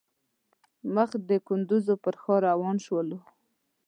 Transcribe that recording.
مخ د کندوز پر ښار روان شولو.